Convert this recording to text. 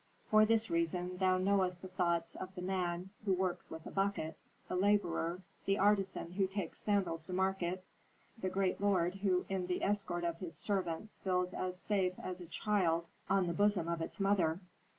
For this reason thou knowest the thoughts of the man who works with a bucket, the laborer, the artisan who takes sandals to market, the great lord who in the escort of his servants feels as safe as a child on the bosom of its mother."